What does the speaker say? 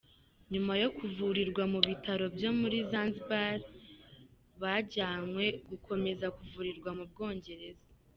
Nyuma yo kuvurirwa mu bitaro byo muri Zanzibar bajyanwe gukomeza kuvurirwa mu Bwongereza.